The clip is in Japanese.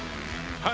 はい